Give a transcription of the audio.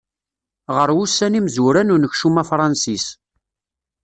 Ɣer wussan imezwura n unekcum afransis.